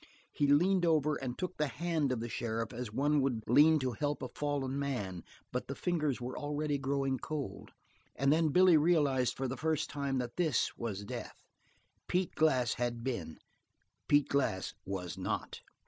He leaned over and took the hand of the sheriff as one would lean to help up a fallen man, but the fingers were already growing cold, and then Billy realized for the first time that this was death. Pete Glass had been; Pete Glass was not.